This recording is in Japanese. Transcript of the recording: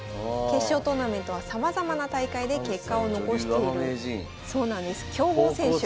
決勝トーナメントはさまざまな大会で結果を残している関西女流アマ名人。